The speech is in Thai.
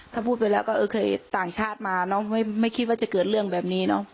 ถ้าพูดไปแล้วก็เออเคยต่างชาติมาเนอะไม่คิดว่าจะเกิดเรื่องแบบนี้เนอะ